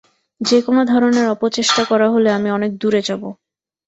যে কোন ধরনের অপচেষ্টা করা হলে আমি অনেক দুর যাবো!